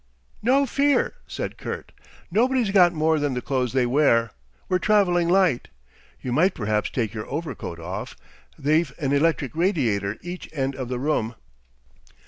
"No fear," said Kurt. "Nobody's got more than the clothes they wear. We're travelling light. You might perhaps take your overcoat off. They've an electric radiator each end of the room."